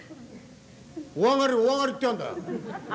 『お上がりお上がり』言ってやがんだ。